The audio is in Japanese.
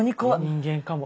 人間かも。